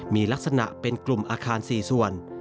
มีลักษณะเป็นกลุ่มอาคาร๔ส่วน